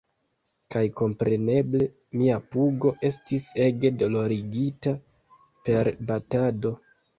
Kaj kompreneble, mia pugo... estis ege dolorigita per batado.